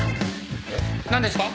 何ですか？